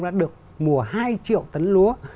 đã được mùa hai triệu tấn lúa